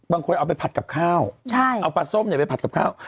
บางคนเอาไปผัดกับข้าวเอาปลาส้มเนี่ยไปผัดกับข้าว